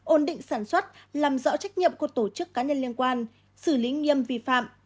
ổn định sản xuất làm rõ trách nhiệm của tổ chức cá nhân liên quan xử lý nghiêm vi phạm